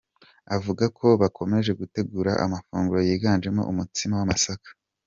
Avuga ko bakomeje gutegura amafunguro yiganjemo umutsima w’amasaka.